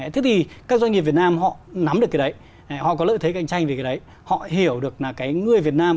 thế thì các doanh nghiệp việt nam họ nắm được cái đấy họ có lợi thế cạnh tranh về cái đấy họ hiểu được là cái người việt nam